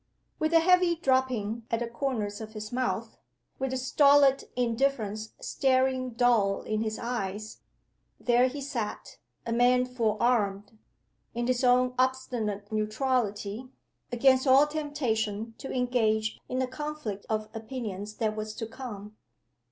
With a heavy dropping at the corners of his mouth, with a stolid indifference staring dull in his eyes, there he sat, a man forearmed, in his own obstinate neutrality, against all temptation to engage in the conflict of opinions that was to come.